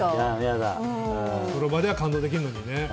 その場では感動できるのにね。